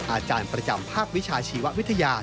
อาจารย์ประจำภาควิชาชีววิทยา